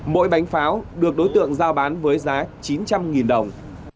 mỗi bánh pháo được đối tượng giao bán với giá chín trăm linh đồng